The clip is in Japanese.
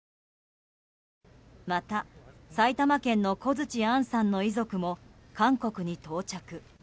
また、埼玉県の小槌杏さんの遺族も韓国に到着。